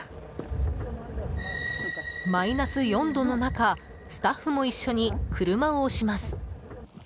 マイナス４度の中スタッフも一緒に車を押します。